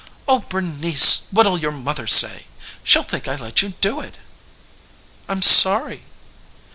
"Oh, Bernice, what'll your mother say? She'll think I let you do it." "I'm sorry."